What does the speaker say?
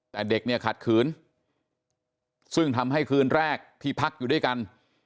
แต่เด็กเนี่ยขัดขืนซึ่งทำให้คืนแรกที่พักอยู่ด้วยกัน